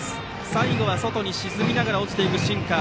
最後は外に沈みながら落ちていくシンカー。